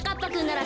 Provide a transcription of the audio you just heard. なら